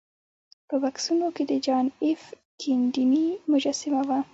په بکسونو کې د جان ایف کینیډي مجسمه وه